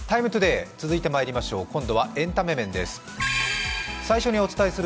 「ＴＩＭＥ，ＴＯＤＡＹ」、続いてまいりましょう、今度はエンタメ面です。